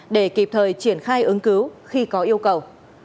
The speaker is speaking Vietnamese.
để kịp thời triển khai ứng cứu khi có yêu cầu